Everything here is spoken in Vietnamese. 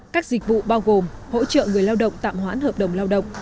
các dịch vụ bao gồm hỗ trợ người lao động tạm hoãn hợp đồng lao động